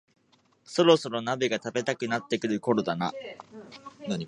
そろそろ鍋が食べたくなってくるころだな